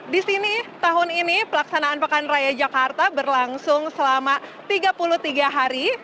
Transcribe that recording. di sini tahun ini pelaksanaan pekan raya jakarta berlangsung selama tiga puluh tiga hari